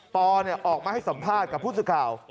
ออกมาให้สัมภาษณ์กับผู้สื่อข่าว